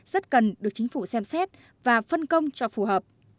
rất cần được chính phủ xem xét và phân công cho phù hợp